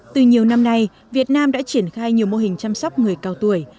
từ nhiều năm nay việt nam đã triển khai nhiều mô hình chăm sóc người cao tuổi